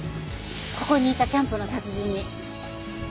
ここにいたキャンプの達人に。